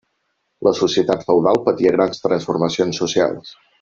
La societat feudal patia grans transformacions socials.